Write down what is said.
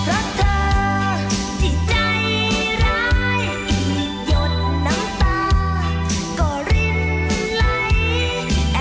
แอบเจ็บเพราะเธอที่ใจร้าย